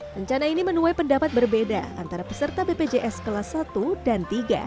rencana ini menuai pendapat berbeda antara peserta bpjs kelas satu dan tiga